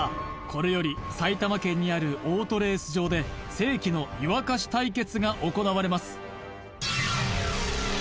これより埼玉県にあるオートレース場で世紀の湯沸かし対決が行われます